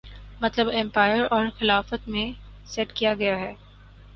مطلب ایمپائر اور خلافت میں سیٹ کیا گیا ہے